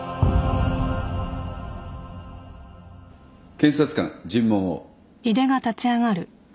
検察官尋問を。